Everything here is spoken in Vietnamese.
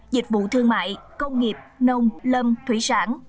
dịch vụ thương mại công nghiệp nông lâm thủy sản